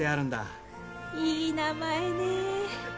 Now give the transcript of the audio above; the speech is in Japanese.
ママ：いい名前ね。